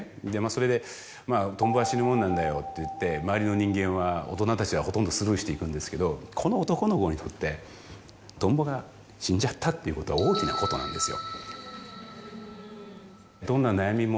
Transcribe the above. それでまぁ「トンボは死ぬもんなんだよ」って言って周りの人間大人たちはほとんどスルーしていくんですけどこの男の子にとってトンボが死んじゃったっていうことは大きなことなんですよ。